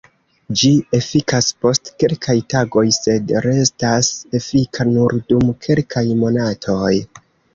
Ĝi efikas post kelkaj tagoj sed restas efika nur dum kelkaj monatoj.